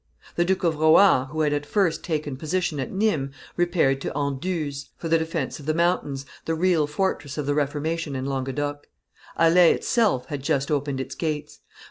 The Duke of Rohan, who had at first taken position at Nimes, repaired to Anduze for the defence of the mountains, the real fortress of the Reformation in Languedoc. Alais itself had just opened its gates.